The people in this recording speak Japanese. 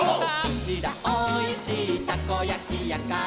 「うちらおいしいたこやきやから」